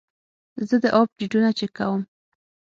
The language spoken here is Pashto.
زه د اپ ډیټونه چک کوم.